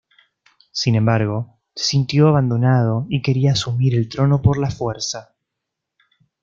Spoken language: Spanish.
Sin embargo, se sintió abandonado y quería asumir el trono por la fuerza.